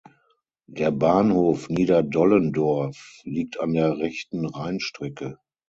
Der Bahnhof Niederdollendorf liegt an der rechten Rheinstrecke.